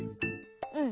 うん。